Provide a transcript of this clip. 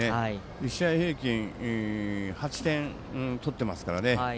１試合平均８点取っていますからね。